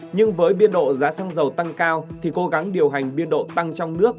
nhưng với biên độ giá sang giàu tăng cao thì cố gắng điều hành biên độ tăng trong nước